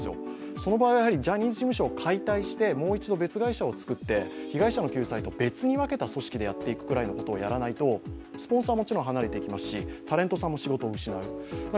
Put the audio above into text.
その場合はジャニーズ事務所を解体してもう一度、別会社を作って被害者の救済とは別に分けた組織でやっていくぐらいのことをやらないとスポンサーはもちろん離れていきますしタレントさんも仕事を失う。